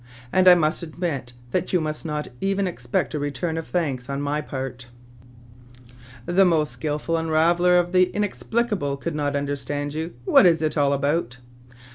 And I must add that you must not even expect a return of thanks on my part." A SERIOUS PROPOSITION .^^The most skilful unraveller of the inexplicable could not understand you. What is it all about